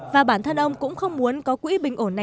và bản thân ông cũng không muốn có quỹ bình ổn xăng dầu